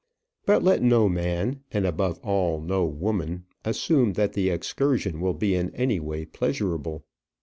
But let no man, and, above all, no woman, assume that the excursion will be in any way pleasurable.